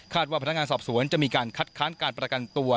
ว่าพนักงานสอบสวนจะมีการคัดค้านการประกันตัว